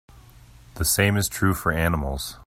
The same is true for animals.